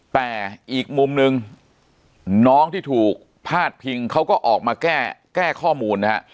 แต่อีกมุมนึงน้องที่ถูกพาดพิงเขาก็ออกมาแก้ข้อมูลนะฮะ